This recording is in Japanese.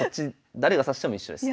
誰が指しても一緒です。